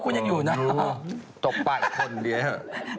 จบไปเหตุผลเดี๋ยวเถอะ